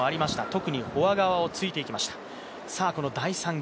特にフォア側を突いていきました。